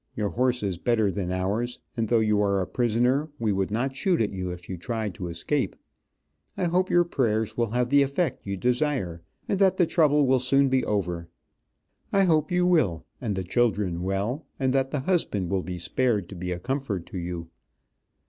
Your horse is better than ours, and though you are a prisoner, we would not shoot at you if you tried to escape. I hope your prayers will have the effect you desire, and that the trouble will soon be over. I hope you will and the children well, and that the husband will be spared to be a comfort to you."